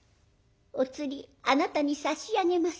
お釣りあなたに差し上げます。